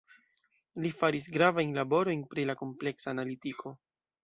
Li faris gravajn laborojn pri la kompleksa analitiko.